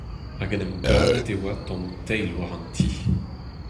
Hag en em gavet e oa tammoù teil war an ti.